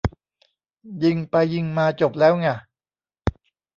ยิงไปยิงมาจบแล้วง่ะ